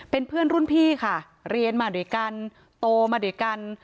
เป็นเพื่อนรุ่นพี่ค่ะเรียนมาด้วยกันโตมาด้วยกัน